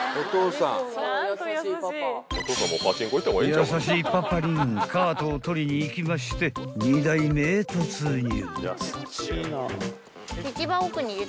［優しいパパりんカートを取りに行きまして２台目へ突入］